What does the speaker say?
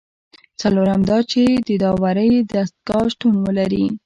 څلورم دا چې د داورۍ دستگاه شتون ولري.